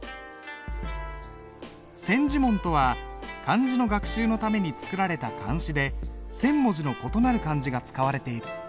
千字文とは漢字の学習のために作られた漢詩で千文字の異なる漢字が使われている。